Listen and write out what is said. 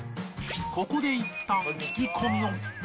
ここでいったん聞き込みを